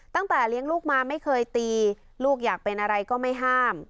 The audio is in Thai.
ตั้งแต่เลี้ยงลูกมาไม่เคยตีลูกอยากเป็นอะไรก็ไม่ห้าม